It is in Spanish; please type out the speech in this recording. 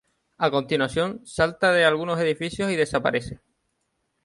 A continuación, salta de algunos edificios y desaparece.